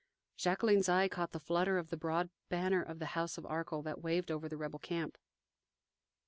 Jacqueline's eye caught the flutter of the broad banner of the house of Arkell that waved over the rebel camp.